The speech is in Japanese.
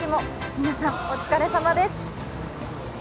皆さんお疲れさまです。